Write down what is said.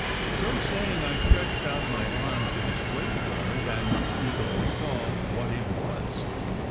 So saying, I stretched out my arm to display the garment, and Eagle saw what it was.